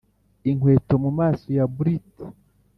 inkweto mumaso ya brute